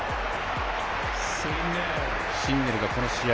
シンネルがこの試合